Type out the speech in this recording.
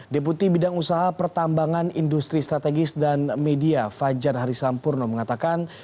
deputi bidang usaha pertambangan industri strategis dan media fajar harisampurno mengatakan